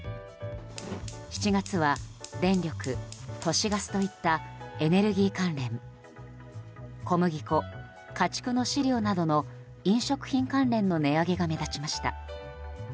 ７月は電力、都市ガスといったエネルギー関連小麦粉、家畜の飼料などの飲食品関連の値上げが目立ちました。